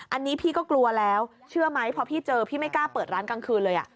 อันนี้พี่ก็กลัวแล้วเชื่อไหมพอพี่เจอพี่ไม่กล้าเปิดร้านกลางคืนเลย